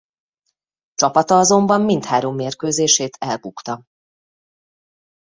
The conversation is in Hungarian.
Csapata azonban mindhárom mérkőzését elbukta.